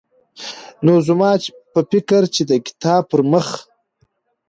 نو زما په فکر چې د کتاب پرمخ